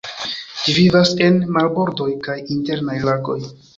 Ĝi vivas en marbordoj kaj internaj lagoj.